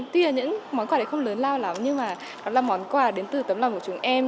tuy là những món quà đấy không lớn lao lắm nhưng mà nó là món quà đến từ tấm lòng của chúng em